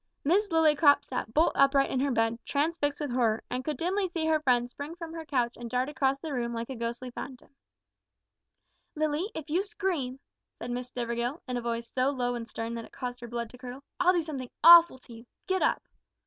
Miss Lillycrop sat bolt up in her bed, transfixed with horror, and could dimly see her friend spring from her couch and dart across the room like a ghostly phantom. "Lilly, if you scream," said Miss Stivergill, in a voice so low and stern that it caused her blood to curdle, "I'll do something awful to you. Get up!"